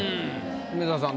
梅沢さん